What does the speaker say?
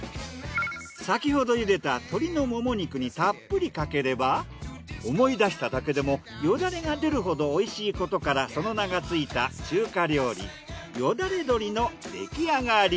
先ほどゆでた鶏のもも肉にたっぷりかければ思い出しただけでもよだれが出るほどおいしいことからその名がついた中華料理よだれ鶏の出来上がり。